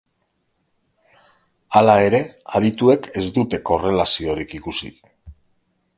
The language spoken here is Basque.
Hala ere, adituek ez dute korrelaziorik ikusi.